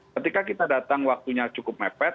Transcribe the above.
ketika kita datang waktunya cukup mepet